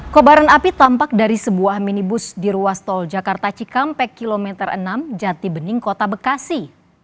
kobaran api tampak dari sebuah minibus di ruas tol jakarta cikampek kilometer enam jati bening kota bekasi